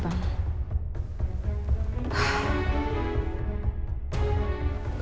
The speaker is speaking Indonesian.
berhubungan sama dewi bikin aku repot